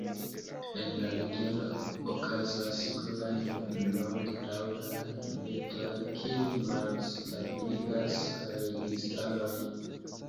En la regiono okazas pluraj longdaŭraj militoj, kiuj malstabiligas la registarojn.